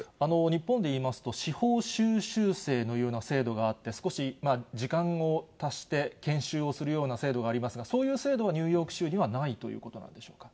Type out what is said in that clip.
日本でいいますと、司法修習生のような制度があって、少し時間を足して研修をするような制度がありますが、そういう制度はニューヨーク州にはないということなんでしょうか。